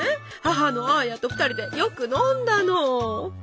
母のアーヤと２人でよく飲んだの。